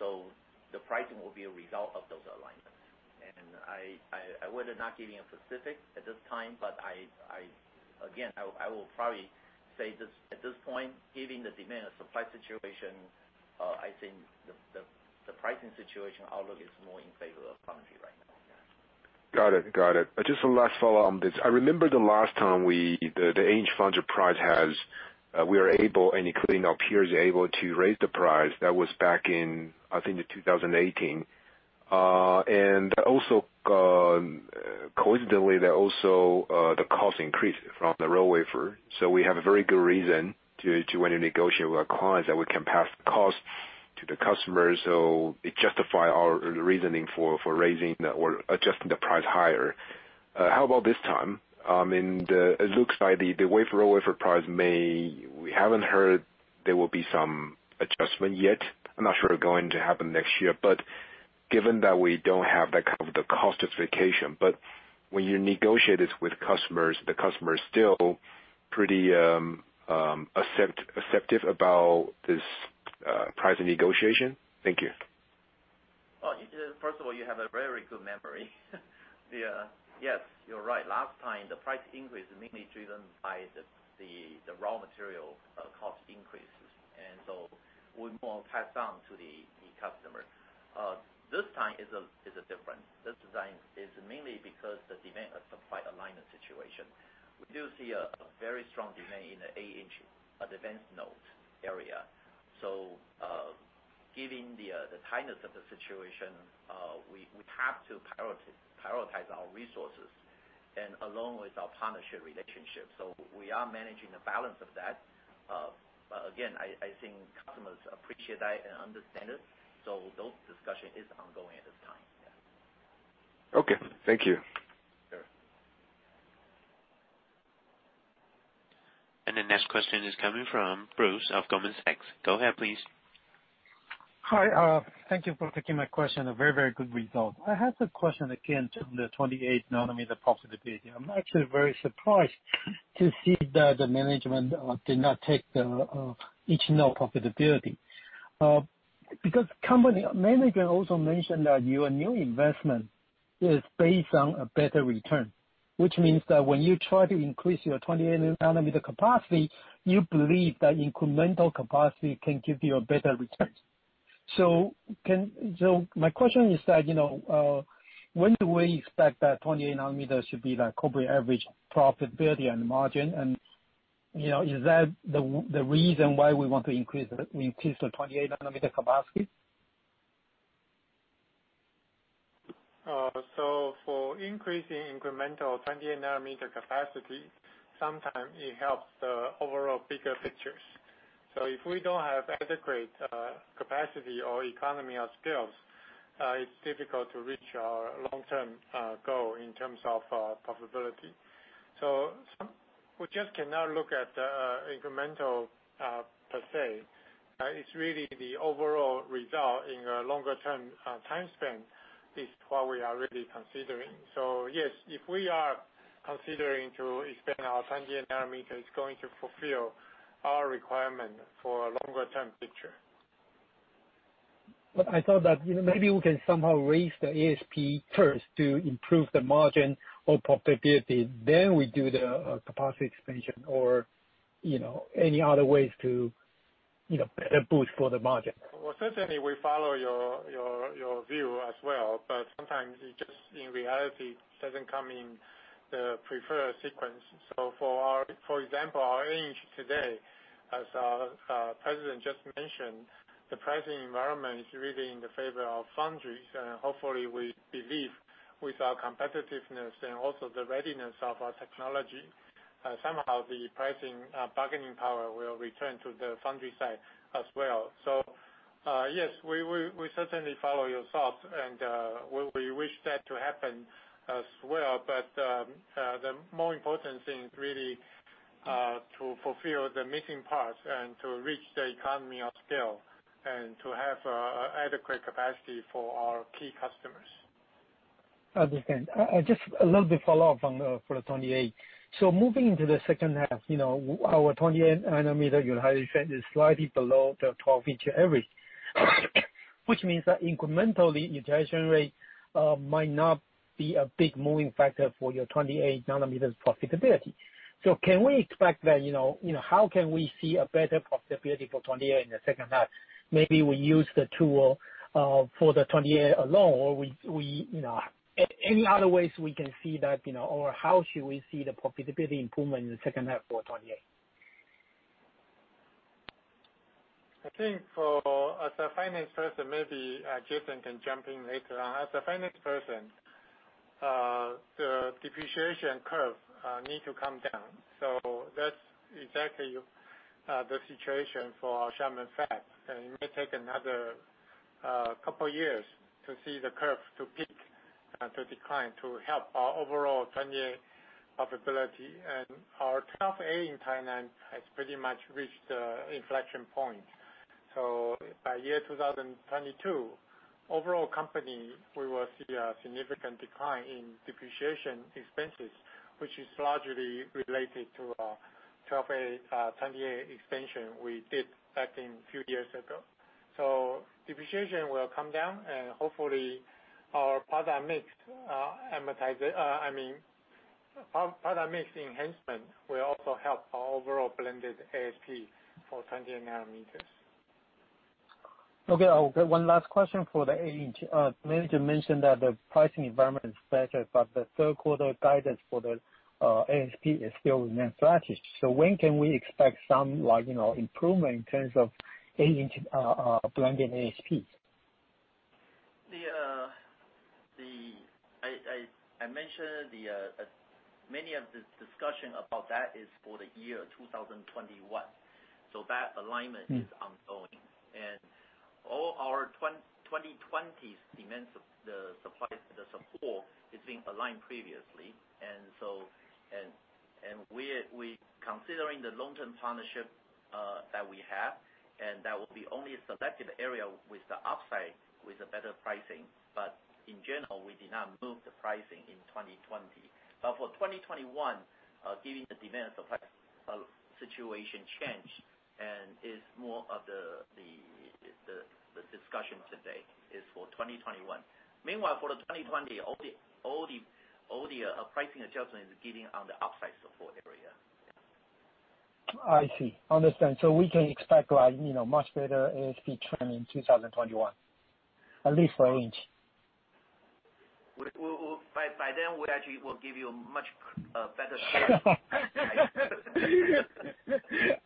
S1: so the pricing will be a result of those alignments. And I would not give you a specific at this time, but again, I will probably say at this point, given the demand and supply situation, I think the pricing situation outlook is more in favor of foundry right now. Yeah.
S9: Got it. Got it. Just a last follow-up on this. I remember the last time the 8-inch foundry price as we were able, and including our peers, able to raise the price. That was back in, I think, 2018. And also coincidentally, the cost increased from the raw material. So we have a very good reason to negotiate with our clients that we can pass the cost to the customers. So it justifies our reasoning for raising or adjusting the price higher. How about this time? I mean, it looks like the raw material price maybe we haven't heard there will be some adjustment yet. I'm not sure it's going to happen next year. But given that we don't have that kind of the cost justification, but when you negotiate this with customers, the customers still pretty accepted about this pricing negotiation? Thank you.
S1: First of all, you have a very good memory. Yes, you're right. Last time, the price increase is mainly driven by the raw material cost increases. And so we more passed on to the customer. This time is different. This time is mainly because of the demand and supply alignment situation. We do see a very strong demand in the 8-inch advanced nodes area. So given the tightness of the situation, we have to prioritize our resources and along with our partnership relationship. So we are managing the balance of that. But again, I think customers appreciate that and understand it. So those discussions are ongoing at this time. Yeah. Okay. Thank you. Sure.
S4: The next question is coming from Bruce Lu of Goldman Sachs. Go ahead, please.
S10: Hi. Thank you for taking my question. A very, very good result. I have a question again on the 28nm profitability. I'm actually very surprised to see that the management did not take each node profitability. Because management also mentioned that your new investment is based on a better return, which means that when you try to increase your 28nm capacity, you believe that incremental capacity can give you a better return. So my question is that when do we expect that 28nms should be the corporate average profitability and margin? And is that the reason why we want to increase the 28nm capacity?
S2: So for increasing incremental 28-nanometer capacity, sometimes it helps the overall bigger picture. So if we don't have adequate capacity or economies of scale, it's difficult to reach our long-term goal in terms of profitability. So we just cannot look at the incremental per se. It's really the overall result in a longer-term time span is what we are really considering. So yes, if we are considering to expand our 28nms, it's going to fulfill our requirement for a longer-term picture.
S10: But I thought that maybe we can somehow raise the ASP first to improve the margin or profitability. Then we do the capacity expansion or any other ways to better boost for the margin.
S2: Certainly, we follow your view as well. But sometimes it just, in reality, doesn't come in the preferred sequence. So for example, our 8-inch today, as our president just mentioned, the pricing environment is really in favor of foundries. And hopefully, we believe with our competitiveness and also the readiness of our technology, somehow the pricing bargaining power will return to the foundry side as well. So yes, we certainly follow your thoughts. And we wish that to happen as well. But the more important thing is really to fulfill the missing parts and to reach the economy of scale and to have adequate capacity for our key customers.
S10: I understand. Just a little bit follow-up for the 28. So moving into the second half, our 28nm utilization is slightly below the 12-inch average, which means that incrementally utilization might not be a big moving factor for your 28nm profitability. So can we expect that? How can we see a better profitability for 28 in the second half? Maybe we use the tool for the 28 alone, or any other ways we can see that, or how should we see the profitability improvement in the second half for 28?
S2: I think as a finance person, maybe Jason can jump in later on. As a finance person, the depreciation curve needs to come down, so that's exactly the situation for our Xiamen Fab, and it may take another couple of years to see the curve to peak, to decline, to help our overall 28 profitability. Our 12A in Taiwan has pretty much reached the inflection point, so by year 2022, overall company, we will see a significant decline in depreciation expenses, which is largely related to our 12A 28 expansion we did back a few years ago, so depreciation will come down, and hopefully, our product mix amortization I mean, product mix enhancement will also help our overall blended ASP for 28nm.
S10: Okay. I'll get one last question for the 8-inch. Management mentioned that the pricing environment is better, but the third-quarter guidance for the ASP still remains flat. So when can we expect some improvement in terms of 8-inch blended ASP?
S1: I mentioned many of the discussion about that is for the year 2021. So that alignment is ongoing. And all our 2020 demands, the support has been aligned previously. And we're considering the long-term partnership that we have, and that will be only selected area with the upside with the better pricing. But in general, we did not move the pricing in 2020. But for 2021, given the demand and supply situation change, and it's more of the discussion today is for 2021. Meanwhile, for the 2020, all the pricing adjustment is given on the upside support area.
S10: I see. I understand. So we can expect much better ASP trend in 2021, at least for 8-inch.
S1: By then, we actually will give you a much better score.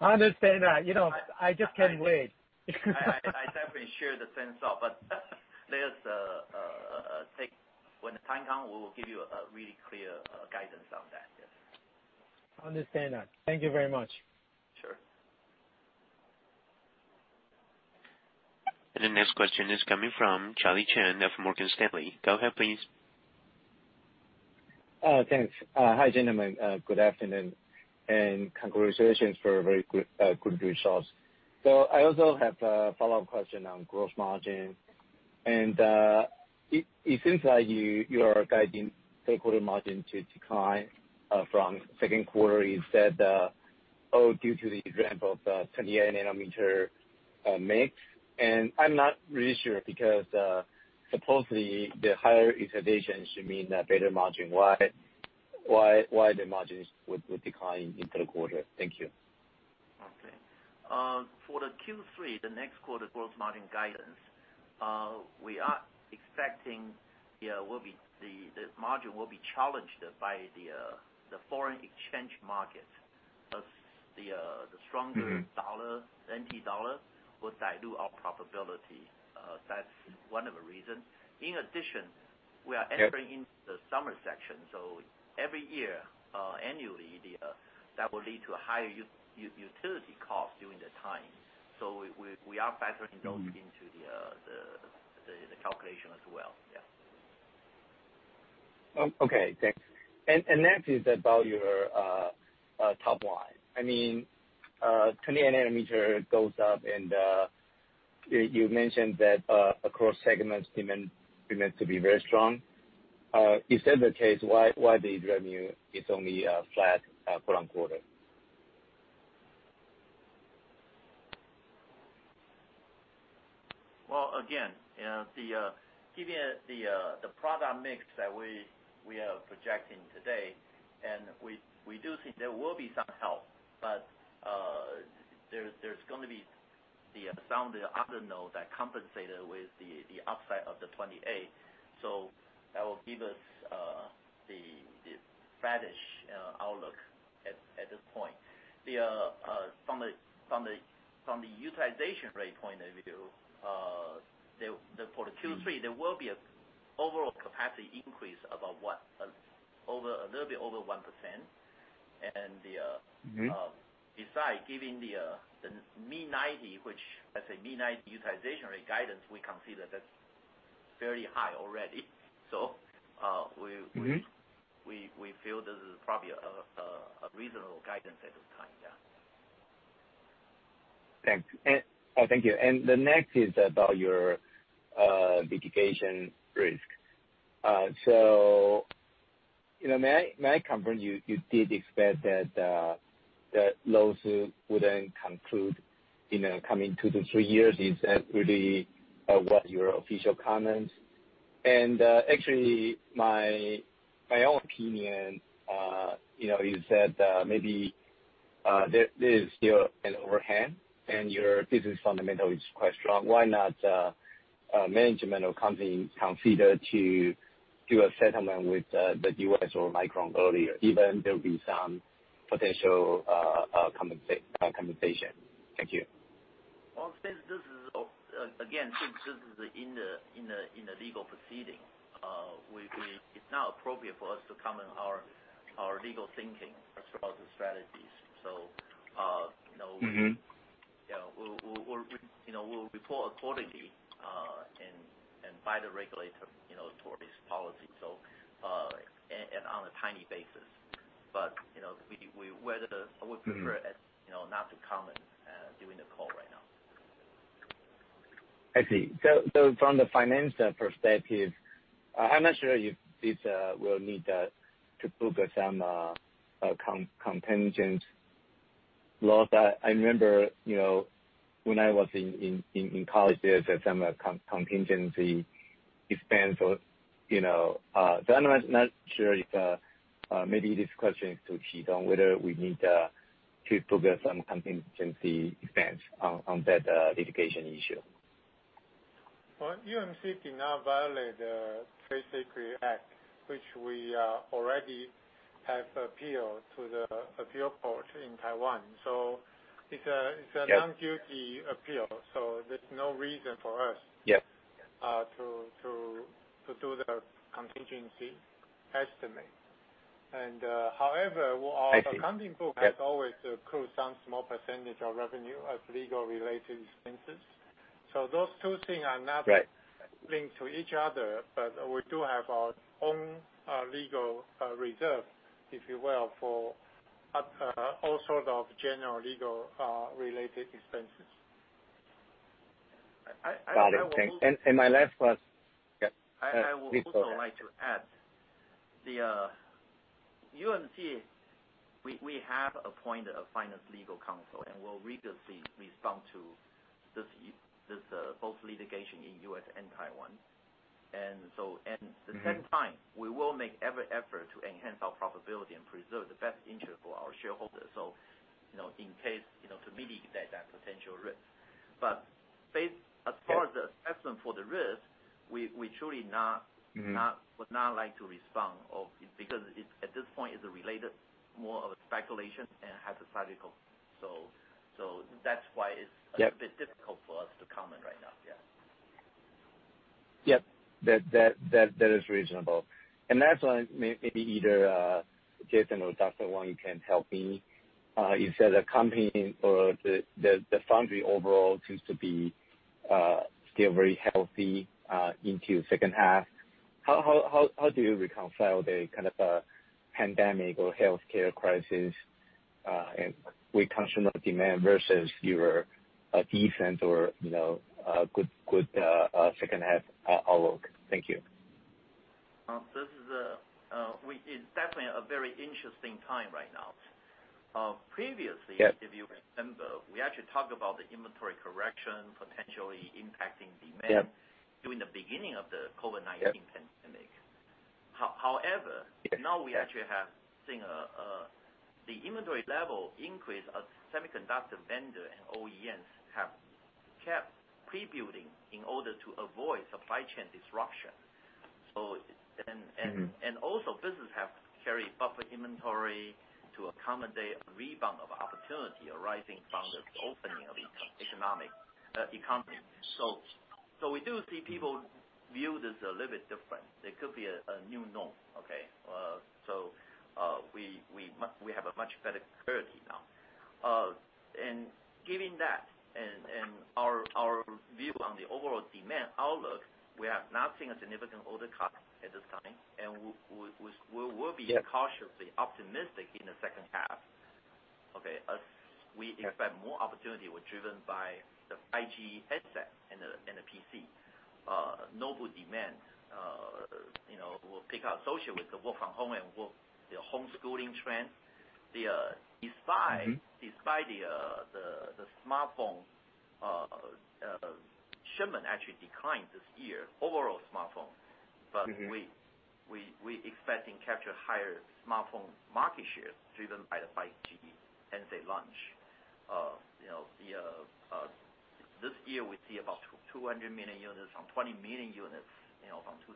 S10: I understand that. I just can't wait.
S1: I definitely share the same thought, but later, when the time comes, we will give you a really clear guidance on that.
S10: I understand that. Thank you very much.
S1: Sure.
S4: The next question is coming from Charlie Chen of Morgan Stanley. Go ahead, please.
S11: Thanks. Hi, gentlemen. Good afternoon. And congratulations for very good results. So I also have a follow-up question on gross margin. And it seems like you are guiding third-quarter margin to decline from second quarter. You said, "Oh, due to the ramp of the 28nm mix." And I'm not really sure because supposedly the higher utilization should mean a better margin. Why the margin would decline in third quarter? Thank you.
S1: Okay. For the Q3, the next quarter gross margin guidance, we are expecting the margin will be challenged by the foreign exchange market because the stronger NT dollar will dilute our profitability. That's one of the reasons. In addition, we are entering into the summer season. So every year, annually, that will lead to higher utility costs during the time. So we are factoring those into the calculation as well. Yeah.
S11: Okay. Thanks. And next is about your top line. I mean, 28nm goes up, and you mentioned that across segments, demand remains to be very strong. If that's the case, why the revenue is only flat for one quarter?
S1: Again, given the product mix that we are projecting today, and we do think there will be some help, but there's going to be some other nodes that compensate with the upside of the 28. That will give us the flatish outlook at this point. From the utilization rate point of view, for the Q3, there will be an overall capacity increase of a little bit over 1%. Besides, given the mid-90s, which is mid-90s utilization rate guidance, we consider that's fairly high already. We feel this is probably a reasonable guidance at this time. Yeah.
S11: Thanks. Oh, thank you. And the next is about your mitigation risk. So may I confirm you did expect that the lawsuit wouldn't conclude in the coming two to three years? Is that really what your official comments? And actually, my own opinion, you said maybe there is still an overhang, and your business fundamental is quite strong. Why not management or company consider to do a settlement with the US or Micron earlier, even if there will be some potential compensation? Thank you.
S1: Again, since this is in the legal proceeding, it's not appropriate for us to comment on our legal thinking as well as the strategies. So we'll report accordingly and by the regulator towards policy, and on a timely basis. But we would prefer not to comment during the call right now.
S11: I see. So from the finance perspective, I'm not sure if this will need to book some contingent loss. I remember when I was in college, there was some contingency expense. So I'm not sure if maybe this question is to key on whether we need to book some contingency expense on that litigation issue.
S2: UMC did not violate the Trade Secrets Act, which we already have appealed to the appeal court in Taiwan. So it's a non guilty appeal. So there's no reason for us to do the contingency estimate. And however, our accounting book has always accrued some small percentage of revenue as legal-related expenses. So those two things are not linked to each other, but we do have our own legal reserve, if you will, for all sorts of general legal-related expenses.
S11: Got it. Thanks. And my last question.
S1: I would also like to add, UMC, we have appointed a finance legal counsel, and we'll rigorously respond to both litigation in US and Taiwan. And the second time, we will make every effort to enhance our profitability and preserve the best interest for our shareholders in case to mitigate that potential risk. But as far as the assessment for the risk, we truly would not like to respond because at this point, it's related more of a speculation and hypothetical. So that's why it's a bit difficult for us to comment right now. Yeah.
S11: Yep. That is reasonable. And that's why maybe either Jason or Dr. Wang can help me. You said the company or the foundry overall seems to be still very healthy into second half. How do you reconcile the kind of pandemic or healthcare crisis with consumer demand versus your decent or good second-half outlook? Thank you.
S1: This is definitely a very interesting time right now. Previously, if you remember, we actually talked about the inventory correction potentially impacting demand during the beginning of the COVID-19 pandemic. However, now we actually have seen the inventory level increase as semiconductor vendors and OEMs have kept pre-building in order to avoid supply chain disruption. And also, businesses have carried buffer inventory to accommodate a rebound of opportunity arising from the opening of the economy. So we do see people view this a little bit different. There could be a new norm, okay? So we have a much better clarity now. And given that and our view on the overall demand outlook, we have not seen a significant order cut at this time. And we will be cautiously optimistic in the second half, okay, as we expect more opportunity was driven by the 5G handset and the PC. Notebook demand will pick up associated with the work-from-home and the homeschooling trend. Despite the smartphone shipment actually declined this year, overall smartphone but we expect to capture higher smartphone market share driven by the 5G in China. This year, we see about 200 million units from 20 million units in 2019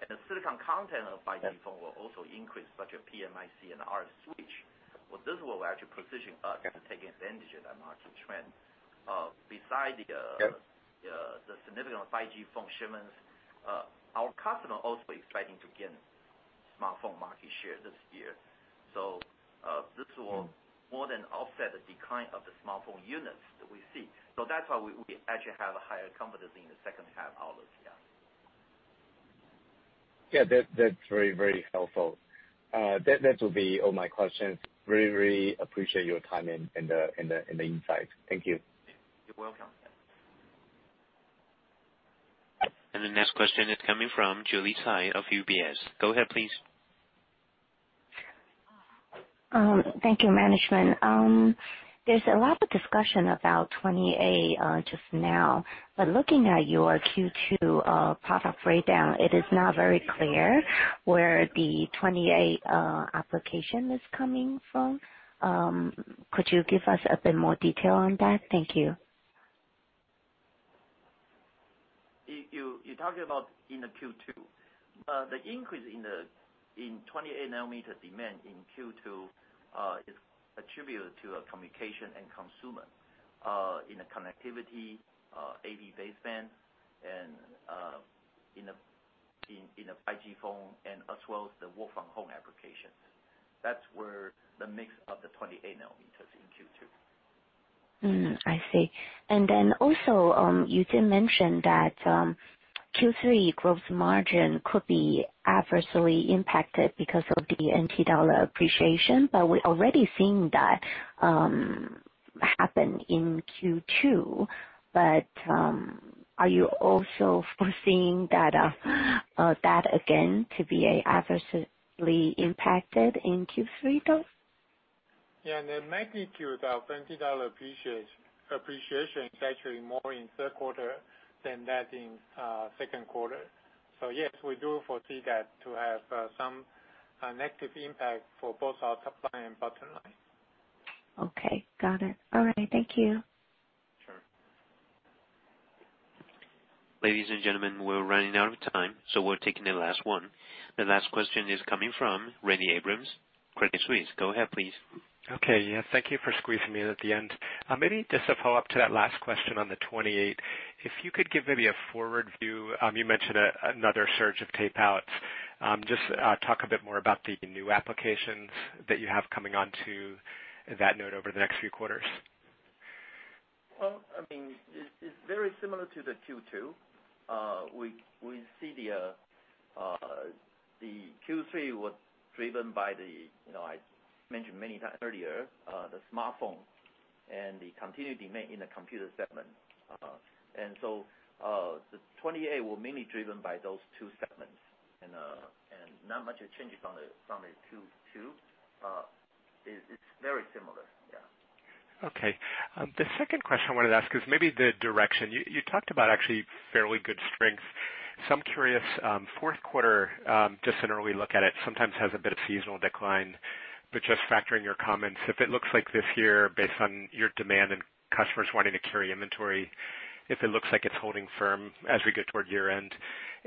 S1: and the silicon content of 5G phone will also increase, such as PMIC and RF switch. This will actually position us to take advantage of that market trend. Besides the significant 5G phone shipments, our customer is also expecting to gain smartphone market share this year so this will more than offset the decline of the smartphone units that we see so that's why we actually have a higher confidence in the second-half outlook. Yeah.
S11: Yeah. That's very, very helpful. That will be all my questions. Really, really appreciate your time and the insight. Thank you.
S1: You're welcome.
S4: The next question is coming from Julie Tsai of UBS. Go ahead, please.
S12: Thank you, management. There's a lot of discussion about 28 just now. But looking at your Q2 product breakdown, it is not very clear where the 28 application is coming from. Could you give us a bit more detail on that? Thank you.
S1: You're talking about in the Q2. The increase in 28-nanometer demand in Q2 is attributed to communication and consumer in the connectivity, AV segment, and in the 5G phone, and as well as the work-from-home applications. That's where the mix of the 28nms in Q2.
S12: I see, and then also, you did mention that Q3 gross margin could be adversely impacted because of the NT dollar appreciation, but we're already seeing that happen in Q2, but are you also foreseeing that again to be adversely impacted in Q3 though?
S2: Yeah. In the magnitude of NT dollar appreciation, it's actually more in third quarter than that in second quarter. So yes, we do foresee that to have some negative impact for both our top line and bottom line.
S12: Okay. Got it. All right. Thank you.
S1: Sure.
S4: Ladies and gentlemen, we're running out of time, so we're taking the last one. The last question is coming from Randy Abrams, Credit Suisse. Go ahead, please.
S5: Okay. Yeah. Thank you for squeezing me in at the end. Maybe just a follow-up to that last question on the 28. If you could give maybe a forward view, you mentioned another surge of tape outs. Just talk a bit more about the new applications that you have coming onto that node over the next few quarters.
S1: I mean, it's very similar to the Q2. We see the Q3 was driven by, I mentioned many times earlier, the smartphone and the continued demand in the computer segment. And so the 28 will mainly be driven by those two segments. And not much has changed from the Q2. It's very similar. Yeah.
S5: Okay. The second question I wanted to ask is maybe the direction. You talked about actually fairly good strengths. So I'm curious: fourth quarter, just an early look at it, sometimes has a bit of seasonal decline. But just factoring your comments, if it looks like this year based on your demand and customers wanting to carry inventory, if it looks like it's holding firm as we get toward year-end,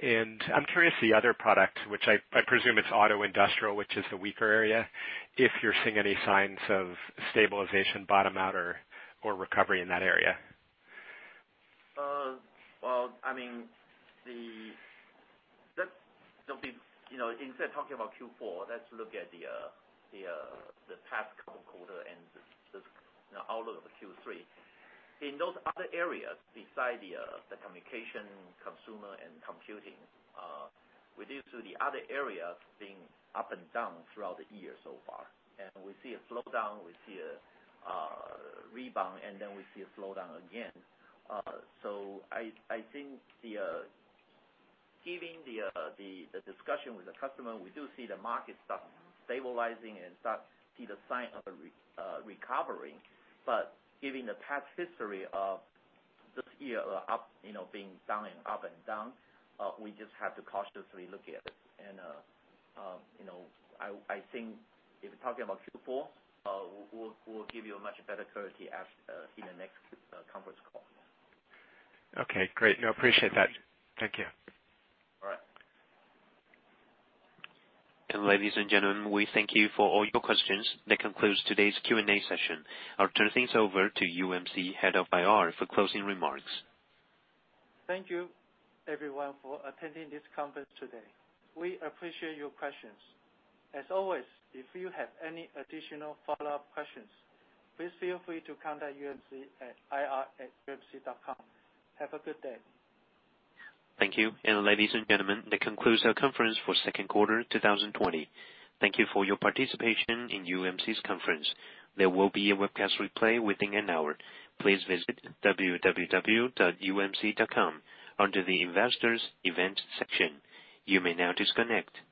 S5: and I'm curious [about] the other product, which I presume it's auto industrial, which is the weaker area, if you're seeing any signs of stabilization, bottom out, or recovery in that area.
S1: Well, I mean, instead of talking about Q4, let's look at the past couple of quarters and the outlook of Q3. In those other areas besides the communication, consumer, and computing, we do see the other areas being up and down throughout the year so far. And we see a slowdown. We see a rebound, and then we see a slowdown again. So I think given the discussion with the customer, we do see the market start stabilizing and start to see the sign of recovering. But given the past history of this year being down and up and down, we just have to cautiously look at it. And I think if we're talking about Q4, we'll give you a much better clarity in the next conference call.
S5: Okay. Great. No, appreciate that. Thank you.
S1: All right.
S4: Ladies and gentlemen, we thank you for all your questions. That concludes today's Q&A session. I'll turn things over to UMC Head of IR for closing remarks.
S2: Thank you, everyone, for attending this conference today. We appreciate your questions. As always, if you have any additional follow-up questions, please feel free to contact UMC at ir@umc.com. Have a good day.
S4: Thank you. And ladies and gentlemen, that concludes our conference for second quarter 2020. Thank you for your participation in UMC's conference. There will be a webcast replay within an hour. Please visit www.umc.com under the investors event section. You may now disconnect. Goodbye.